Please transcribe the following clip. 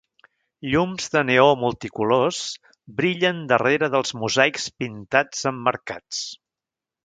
Llums de neó multicolors brillen darrere dels mosaics pintats emmarcats.